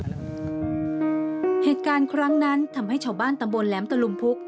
เหตุการณ์ครั้งนั้นทำให้ชาวบ้านตำบลแหลมตะลุมพุก